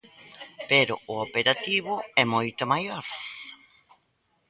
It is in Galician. Pero o operativo é moito maior.